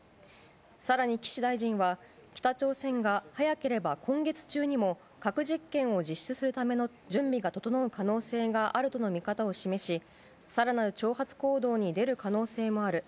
さらに岸大臣は、北朝鮮が早ければ今月中にも核実験を実施するための準備が整う可能性があるとの見方を示し、さらなる挑発行動に出る可能性もある。